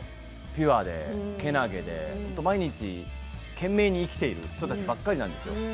ピュアでけなげで毎日懸命に生きている人たちばっかりなんですよ。